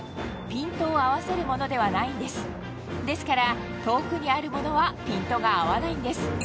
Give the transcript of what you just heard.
ピントを合わせるものではないんですですから遠くにあるものはピントが合わないんです